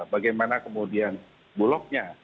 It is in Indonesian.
bagaimana kemudian bulognya